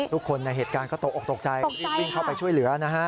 ทุกคนในเหตุการณ์ก็ตกออกตกใจรีบวิ่งเข้าไปช่วยเหลือนะฮะ